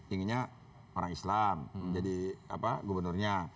inginnya orang islam menjadi gubernurnya